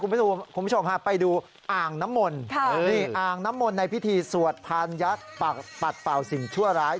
คุณผู้ชมค่ะไปดูอ่างน้ำมนอ่างน้ำมนในพิธีสวดพันยักษ์ปัดเปล่าสิ่งชั่วร้าย